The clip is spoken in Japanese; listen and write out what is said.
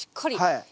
はい。